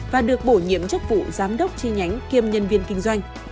và được bổ nhiệm chức vụ giám đốc chi nhánh kiêm nhân viên kinh doanh